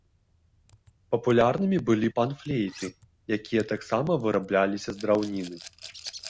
Папулярнымі былі пан-флейты, якія таксама вырабляліся з драўніны.